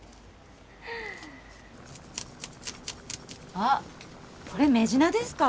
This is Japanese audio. あっこれメジナですか？